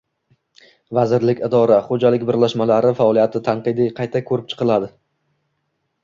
Vazirlik, idora, xo‘jalik birlashmalari faoliyati tanqidiy qayta ko‘rib chiqiladi.